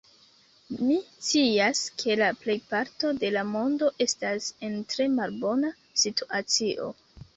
Mi scias, ke la plejparto de la mondo estas en tre malbona situacio.